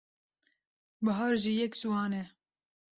Bihar jî yek ji wan e.